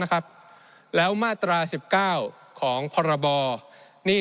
ในช่วงที่สุดในรอบ๑๖ปี